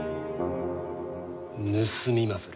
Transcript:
盗みまする。